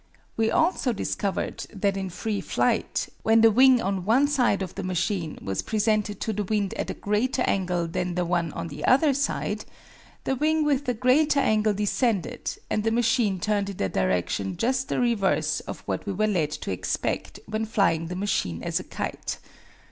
We also discovered that in free flight, when the wing on one side of the machine was presented to the wind at a greater angle than the one on the other side, the wing with the greater angle descended, and the machine turned in a direction just the reverse of what we were led to expect when flying the machine as a kite.